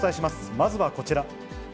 まずはこちら。